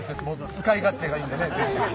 使い勝手がいいんでね